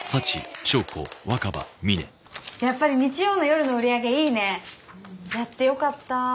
やっぱり日曜の夜の売り上げいいねやってよかった